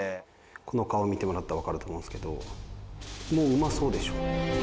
この顔見てもらったらわかると思うんですけどもううまそうでしょ。